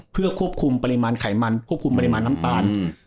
เพื่อควบคุมปริมาณไขมันควบคุมปริมาณน้ำตาล